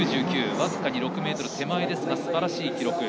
僅かに６ｍ手前ですがすばらしい記録。